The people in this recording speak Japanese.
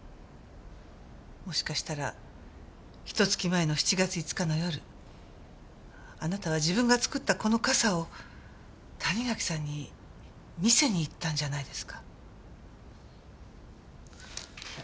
もしかしたらひと月前の７月５日の夜あなたは自分が作ったこの笠を谷垣さんに見せに行ったんじゃないですか？